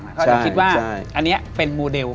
เขาจะคิดว่าอันนี้เป็นโมเดล